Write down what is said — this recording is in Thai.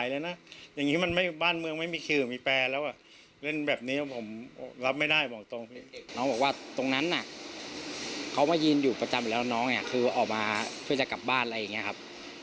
แล้วน้องคือออกมาเพื่อจะกลับบ้านอะไรอย่างนี้ครับ